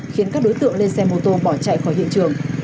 khiến các đối tượng lên xe mô tô bỏ chạy khỏi đường